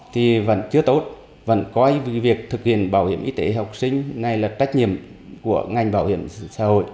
thì vẫn chưa tốt vẫn coi việc thực hiện bảo hiểm y tế học sinh này là trách nhiệm của ngành bảo hiểm xã hội